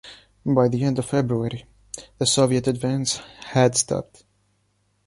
By the end of February, the Soviet advance had stopped.